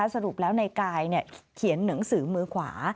สรุปแล้วในกายเขียนหนังสือมือขวา